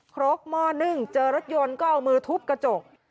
ครกหม้อนึ่งเจอรถยนต์ก็เอามือทุบกระจก